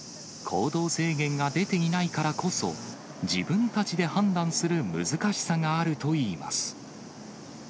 行動制限が出ていないからこそ、自分たちで判断する難しさがあるといいます。